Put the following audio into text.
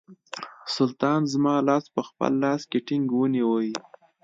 سلطان زما لاس په خپل لاس کې ټینګ ونیوی.